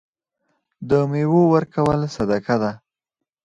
د میوو ورکول صدقه ده.